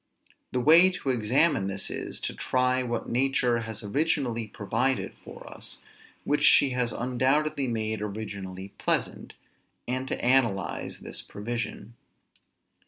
The way to examine this is, to try what nature has originally provided for us, which she has undoubtedly made originally pleasant; and to analyze this provision.